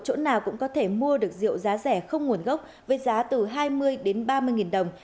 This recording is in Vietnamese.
chỗ nào cũng có thể mua được rượu giá rẻ không nguồn gốc với giá từ hai mươi đến ba mươi nghìn đồng